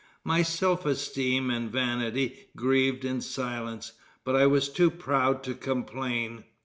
My self esteem and vanity grieved in silence; but I was too proud to complain.